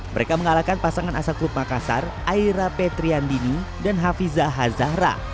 mereka mengalahkan pasangan asal klub makassar aira petriandini dan hafiza hazahra